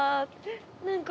何か。